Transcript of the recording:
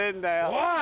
おい！